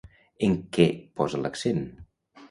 En què posa l'accent?